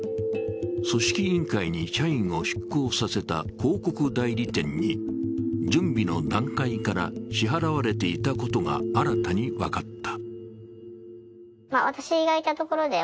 組織委員会に社員を出向させた広告代理店に準備の段階から支払われていたことが新たに分かった。